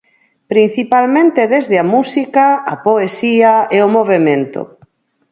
Principalmente desde a música, a poesía e o movemento.